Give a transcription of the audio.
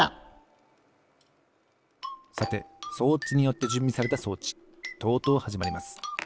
さて装置によってじゅんびされた装置とうとうはじまります。